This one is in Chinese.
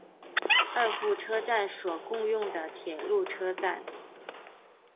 二户车站所共用的铁路车站。